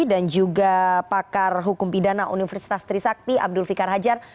dan juga pakar hukum pidana universitas trisakti abdul fikar hajar